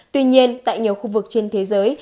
tuy nhiên tại nhiều khu vực trên thế giới